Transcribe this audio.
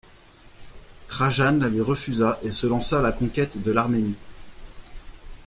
Trajan la lui refusa, et se lança à la conquête de l’Arménie.